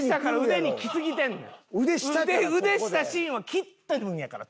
腕したシーンは切ってるんやから。